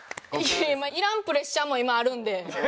いらんプレッシャーも今あるんで。